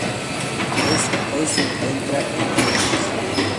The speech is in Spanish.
Hoy se encuentra en ruinas.